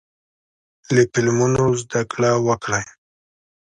له فلمونو زده کړه وکړئ.